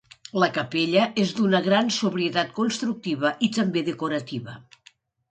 La capella és d'una gran sobrietat constructiva i també decorativa.